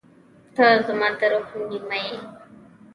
• ته زما د روح نیمه یې.